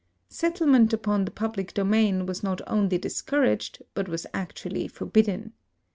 Settlement upon the public domain was not only discouraged, but was actually forbidden.